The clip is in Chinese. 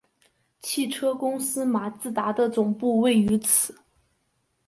汽车公司马自达的总部位于此。